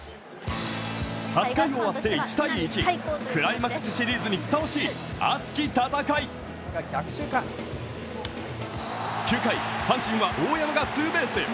８回終わって１−１クライマックスシリーズにふさわしい熱き戦い９回、阪神は大山がツーベース。